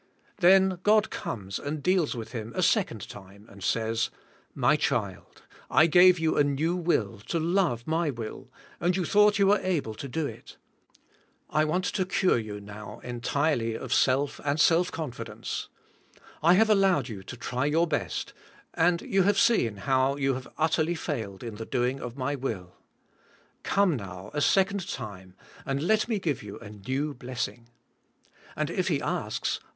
Then God comes and deals wii^tiNG And DoiNCi. 185 with him a second time, and He says, My child, I g ave you a new will to love My will and you thought you were able to do it; I want to cure you now en tirely of self and self confidence; I have allowed you to try your best and you have seen how you have utterly failed in the doing of my will. Come now, a second time, and let me g ive you a new blessing . And if he asks.